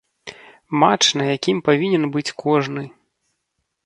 Матч, на якім павінен быць кожны!